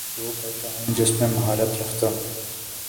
وہ کرتا ہوں جس میں مہارت رکھتا ہو